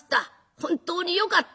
本当によかった。